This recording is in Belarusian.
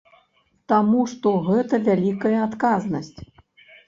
Таму што гэта вялікая адказнасць.